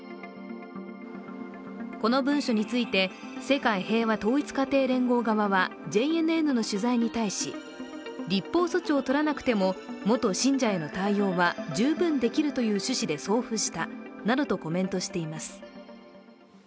この文書について世界平和統一家庭連合側はＪＮＮの取材に対し、立法措置を取らなくても元信者への対応は十分できるという趣旨で送付したなどとコメントしています。